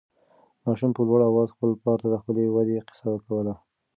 ماشوم په لوړ اواز خپل پلار ته د خپلې ودې قصه کوله.